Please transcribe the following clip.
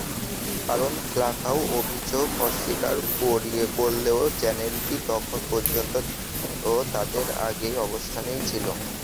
কারণ ফ্যালকাও অভিযোগ অস্বীকার করলেও চ্যানেলটি এখন পর্যন্ত তাদের আগের অবস্থানেই আছে।